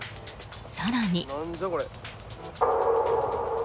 更に。